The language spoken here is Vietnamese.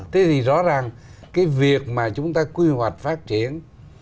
thế thì rõ ràng cái việc mà chúng ta quy hoạch phát triển